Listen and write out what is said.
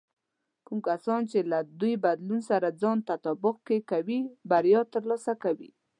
کوم کسان چې له دې بدلون سره ځان تطابق کې کوي، بریا ترلاسه کوي.